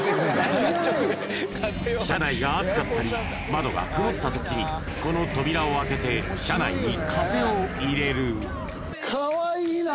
車内が暑かったり窓が曇った時にこの扉を開けて車内に風を入れるかわいいな！